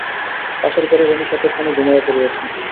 পাশের ঘরে রমেশ এতক্ষণে ঘুমাইয়া পড়িয়াছে।